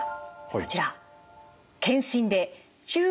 こちら。